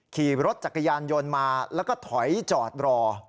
ขี่รถจักรยานยนต์มาแล้วก็ถอยจอดรอ